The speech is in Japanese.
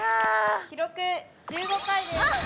記録１５回です！